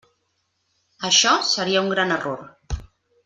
Això seria un gran error.